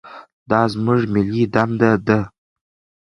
دا زموږ ملي دنده ده.